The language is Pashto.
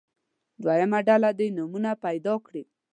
دویمه ډله دې نومونه پیدا کړي.